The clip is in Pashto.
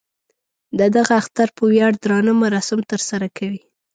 د دغه اختر په ویاړ درانه مراسم تر سره کوي.